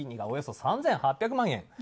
およそ３８００万円。